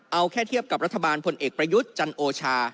เอาแค่เทียบกับรัฐบาลพลเอกประยุทธ์จันโอชา